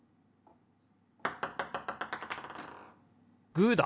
グーだ！